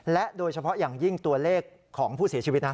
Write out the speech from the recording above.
และโดยเฉพาะอย่างยิ่งตัวเลขของผู้เสียชีวิตนะ